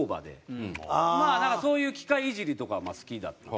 まあなんかそういう機械いじりとかは好きだった。